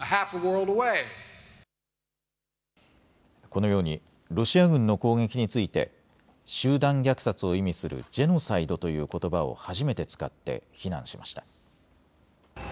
このようにロシア軍の攻撃について集団虐殺を意味するジェノサイドということばを初めて使って非難しました。